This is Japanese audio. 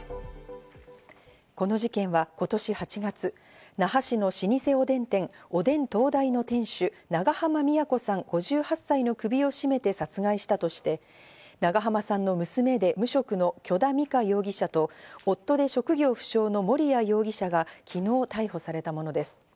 この事件は今年８月、那覇市の老舗おでん店、おでん東大の店主・長濱美也子さん５８歳の首を絞めて殺害したとして、長濱さんの娘で無職の許田美香容疑者と、夫で職業不詳の盛哉容疑者が昨日逮捕されたものです。